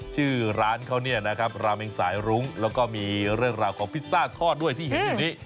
ชื่อร้านเขาเนี่ยนะครับราเมงสายรุ้งแล้วก็มีเรื่องราวของพิซซ่าทอดด้วยที่เห็นอยู่นี้